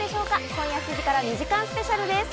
今夜７時から２時間スペシャルです。